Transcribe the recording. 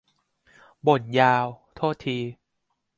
บ่นยาว โทษที